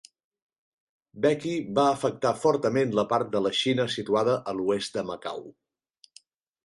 Becky va afectar fortament la part de la Xina situada a l'oest de Macau.